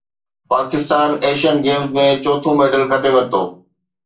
Pakistan Asian Games ۾ چوٿون medal کٽي ورتو